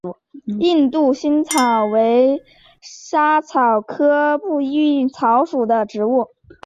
印度薹草为莎草科薹草属的植物。